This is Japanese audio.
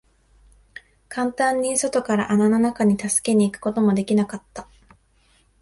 簡単に外から穴の中に助けに行くことも出来なかった。